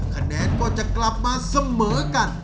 คะแนนก็จะกลับมาเสมอกัน